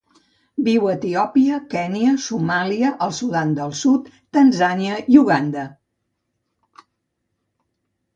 Viu a Etiòpia, Kenya, Somàlia, el Sudan del Sud, Tanzània i Uganda.